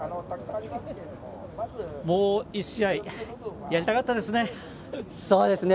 もう１試合やりたかったですね。